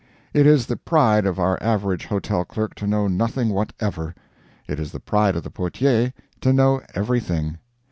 It is the pride of our average hotel clerk to know nothing whatever; it is the pride of the portier to know everything.